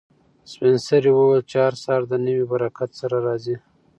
سپین سرې وویل چې هر سهار د نوي برکت سره راځي.